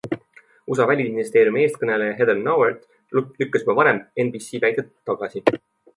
USA välisministeeriumi eestkõneleja Heather Nauert lükkas juba varem NBC väited tagasi.